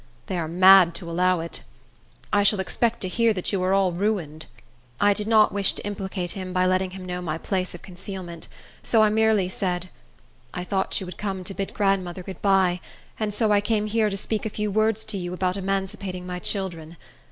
They are mad to allow it. I shall expect to hear that you are all ruined," I did not wish to implicate him, by letting him know my place of concealment; so I merely said, "I thought you would come to bid grandmother good by, and so I came here to speak a few words to you about emancipating my children.